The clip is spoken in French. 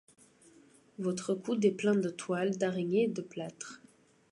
Votre coude est plein de toiles d'araignée et de plâtre.